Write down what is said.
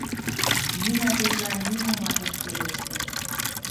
Нина тетла нимомат ыш пелеште.